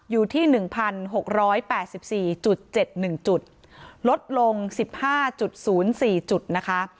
อยู่ที่๑๖๘๔๗๑จุดลดลง๑๕๐๔จุดนะคะ